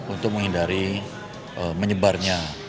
untuk menghindari menyebarnya